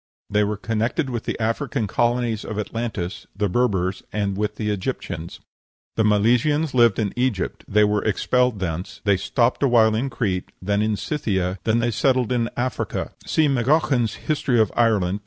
They were connected with the African colonies of Atlantis, the Berbers, and with the Egyptians. The Milesians lived in Egypt: they were expelled thence; they stopped a while in Crete, then in Scythia, then they settled in Africa (See MacGeoghegan's "History of Ireland," p.